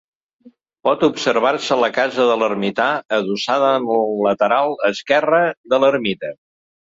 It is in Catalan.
Pot observar-se la casa de l'ermità adossada en el lateral esquerre de l'ermita.